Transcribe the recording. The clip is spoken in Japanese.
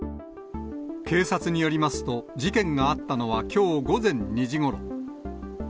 警察によりますと、事件があったのは、きょう午前２時ごろ。